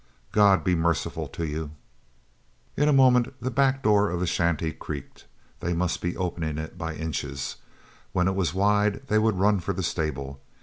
"God be merciful to you!" In a moment the back door of the shanty creaked. They must be opening it by inches. When it was wide they would run for the stable.